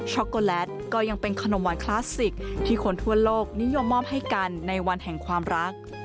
็อกโกแลตก็ยังเป็นขนมหวานคลาสสิกที่คนทั่วโลกนิยมมอบให้กันในวันแห่งความรัก